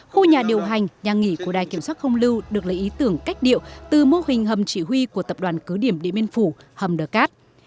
khu nhà điều hành nhà nghỉ của đài kiểm soát không lưu được lấy ý tưởng cách điệu từ mô hình hầm chỉ huy của tập đoàn cứ điểm điện biên phủ hầm đờ cát